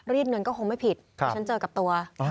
เงินก็คงไม่ผิดที่ฉันเจอกับตัว